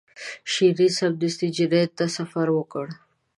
شیرین سمدستي جنین ته سفر وکړ.